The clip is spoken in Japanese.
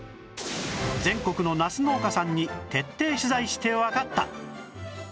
全国のナス農家さんに徹底取材してわかった